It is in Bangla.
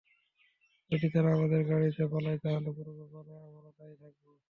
যদি তারা আমাদের গাড়িতে পালায়, তাহলে পুরো ব্যাপারে আমরা দায়ী থাকব।